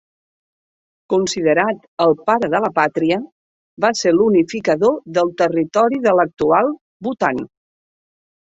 Considerat el pare de la pàtria va ser l'unificador del territori de l'actual Bhutan.